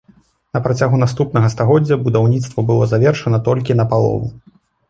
На працягу наступнага стагоддзя будаўніцтва было завершана толькі напалову.